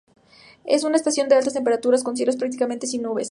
Es una estación de altas temperaturas con cielos prácticamente sin nubes.